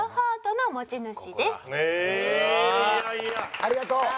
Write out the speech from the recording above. ありがとう！